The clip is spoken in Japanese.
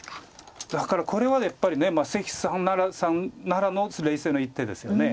だからこれはやっぱり関さんならではの冷静な一手ですよね。